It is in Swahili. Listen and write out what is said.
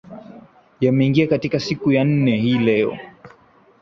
yameingia katika siku ya nne hii leo